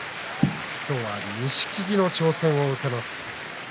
今日は錦木の挑戦を受ける照ノ富士。